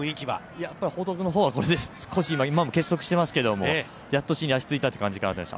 ◆やっぱり報徳のほうはこれで少し今も結束していますけど、やっと地に足が着いた感じですね。